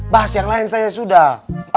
bahas yang lain saya sudah